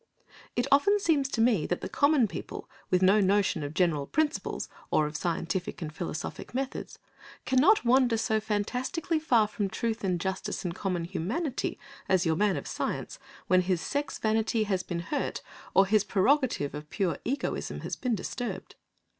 It often seems to me that the common people, with no notion of general principles or of scientific and philosophic methods, cannot wander so fantastically far from truth and justice and common humanity as your man of science, when his sex vanity has been hurt or his prerogative of pure egoism has been disturbed.